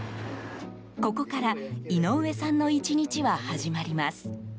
ここから井上さんの１日は始まります。